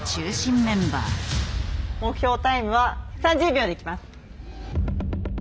目標タイムは３０秒でいきます。